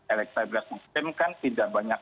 elektrik nasional kan tidak banyak